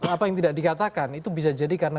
apa yang tidak dikatakan itu bisa jadi karena